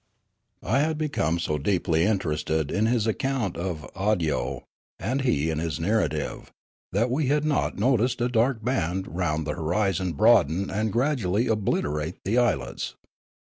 I had become so deeply interested in his account of Awdyoo 241 Awdyoo, and he in his narrative, that we had not noticed a dark band round the horizon broaden and gradually obliterate the islets.